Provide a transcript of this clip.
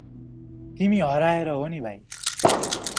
तिमी हराएर हो नि भाई ।